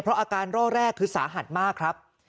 เพราะอาการร่อแรกคือสาหัสมากครับ